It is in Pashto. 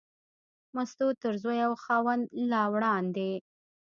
مستو تر زوی او خاوند لا وړاندې.